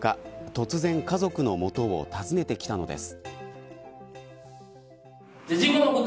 突然、家族の元を訪ねてきたのです。